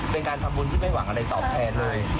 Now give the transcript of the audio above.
เป็นการทำบุญที่ไม่หวังอะไรตอบแทนเลย